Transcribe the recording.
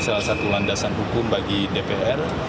salah satu landasan hukum bagi dpr